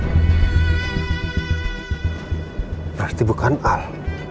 berarti bukan al